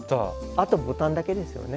あとボタンだけですよね。